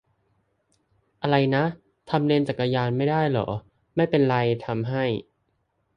อะไรนะ ? ทำเลนจักรยานไม่ได้เหรอ ? ไม่เป็นไร ทำให้